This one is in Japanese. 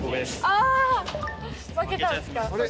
あ負けたんですか？